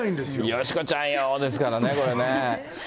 よし子ちゃんよですからね、これね。